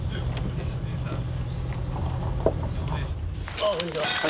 ああこんにちは。